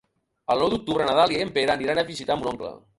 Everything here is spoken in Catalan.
El nou d'octubre na Dàlia i en Pere aniran a visitar mon oncle.